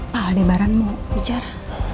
pak aldebaran mau bicara